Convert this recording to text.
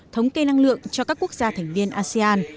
thống kê năng lượng cho các quốc gia thành viên asean